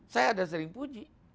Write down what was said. saya ada sering puji